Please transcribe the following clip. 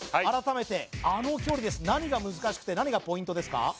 改めてあの距離です何が難しくて何がポイントですか？